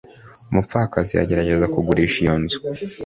umupfakazi agerageza kugurisha iyo nzu